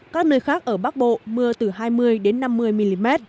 các nơi khác ở bắc bộ mưa từ hai mươi năm mươi mm